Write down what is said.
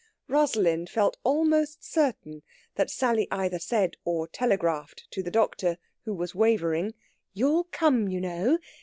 Rosalind felt almost certain that Sally either said or telegraphed to the doctor, who was wavering, "You'll come, you know.